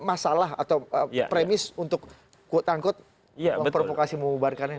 masalah atau premis untuk quote unquote provokasi mengubahkan ini